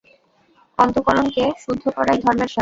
অন্তঃকরণকে শুদ্ধ করাই ধর্মের সার।